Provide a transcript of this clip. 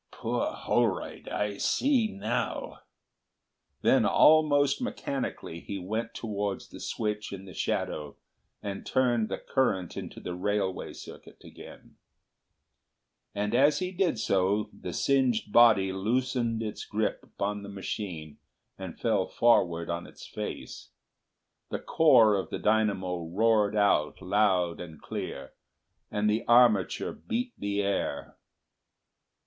"Poor Holroyd! I see now." Then almost mechanically he went towards the switch in the shadow and turned the current into the railway circuit again. As he did so the singed body loosened its grip upon the machine and fell forward on its face. The core of the dynamo roared out loud and clear, and the armature beat the air.